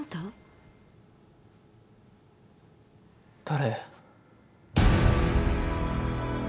誰？